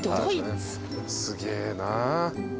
すげえな。